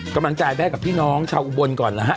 กำลังใจแม่กับพี่น้องชาวอุบลก่อนนะฮะ